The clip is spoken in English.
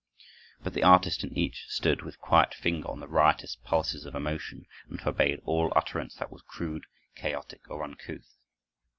But the artist in each stood with quiet finger on the riotous pulses of emotion, and forbade all utterance that was crude, chaotic, or uncouth.